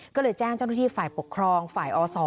ก็เลยแจ้งเจ้าหน้าที่ฝ่ายปกครองฝ่ายอศ